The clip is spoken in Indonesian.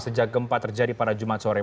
sejak gempa terjadi pada jumat sore